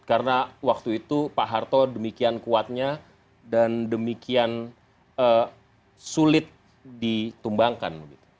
karena waktu itu pak harto demikian kuatnya dan demikian sulit ditumbangkan